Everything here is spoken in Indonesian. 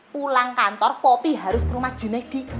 pulang kantor popi harus ke rumah junaid di